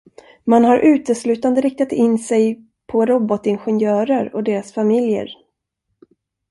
Man har uteslutande riktat in sig på robotingenjörer och deras familjer.